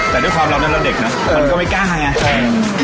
แต่ด้วยความเรานั้นเราเด็กนะมันก็ไม่กล้าไงใช่